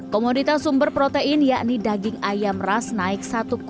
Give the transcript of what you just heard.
komoditas sumber protein yakni daging ayam ras naik